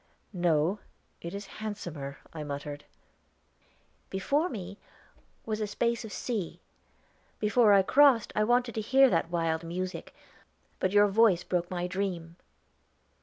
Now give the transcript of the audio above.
"No, it is handsomer," I muttered. "Before me was a space of sea. Before I crossed I wanted to hear that wild music; but your voice broke my dream."